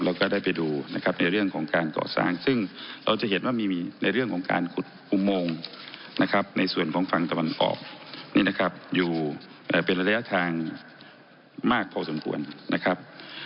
เราก็ได้ไปดูนะครับในเรื่องของการเกาะสร้างซึ่งเราจะเห็นว่ามีในเรื่องของการขุดอุโมงนะครับในส่วนของฝั่งตะวันออกนี่นะครับอยู่เป็นระยะทางมากพอสมควรนะครับ